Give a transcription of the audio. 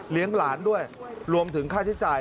หลานด้วยรวมถึงค่าใช้จ่าย